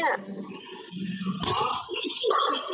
อ้าว